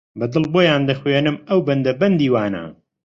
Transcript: بە دڵ بۆیان دەخوێنم ئەو بەندە بەندی وانە